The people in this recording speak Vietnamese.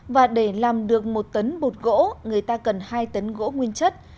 và để làm được một tấn bột gỗ người ta cần hai tấn gỗ nguyên chất